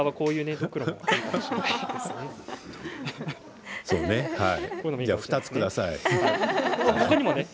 そうねじゃあ２つください。